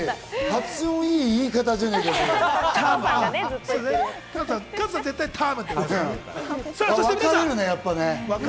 発音いい読み方じゃないですか。